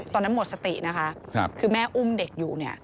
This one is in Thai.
ตอนนั้นหมดสตินะคะคือแม่อุ้มเด็กอยู่เนี่ย